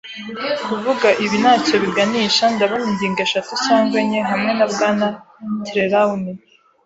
kuvuga; ibi ntacyo biganisha. Ndabona ingingo eshatu cyangwa enye, hamwe na Bwana Trelawney